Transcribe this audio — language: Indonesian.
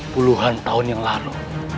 puluhan tahun yang lalu